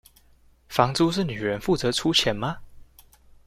房租是女人負責出錢嗎？